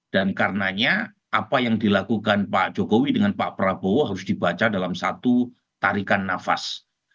dan karenanya apa yang dilakukan pak jokowi dengan pak prabowo harus dibaca dalam satu tarikan nafas